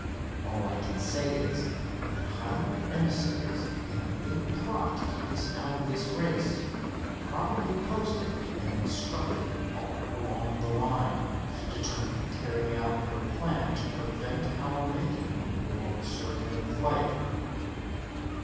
All I can say is, that hired emissaries in a big plot to keep us out of this race are probably posted and instructed all along the line, determined to carry out their plan to prevent our making the world circling flight."